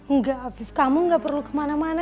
enggak afif kamu gak perlu kemana mana